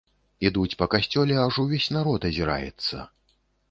Ідуць па касцёле, аж увесь народ азіраецца!